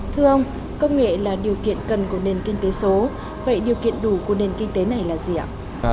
thưa ông công nghệ là điều kiện cần của nền kinh tế số vậy điều kiện đủ của nền kinh tế này là gì ạ